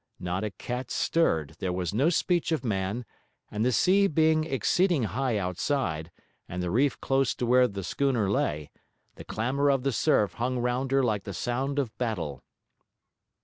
Not a cat stirred, there was no speech of man; and the sea being exceeding high outside, and the reef close to where the schooner lay, the clamour of the surf hung round her like the sound of battle.